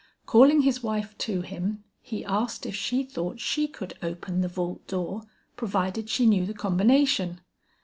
Calling his wife to him, he asked if she thought she could open the vault door provided she knew the combination.